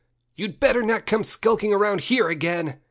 "You'd better not come skulking around here again!"